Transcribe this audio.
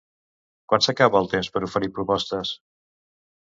Quan s'acaba el temps per oferir propostes?